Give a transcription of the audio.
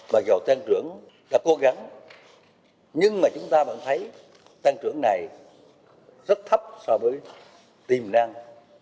bài giáo tăng trưởng đã cố gắng nhưng mà chúng ta vẫn thấy tăng trưởng này rất thấp so với tiềm năng